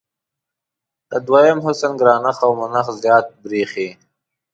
د دویم حسن ګرانښت او منښت زیات برېښي.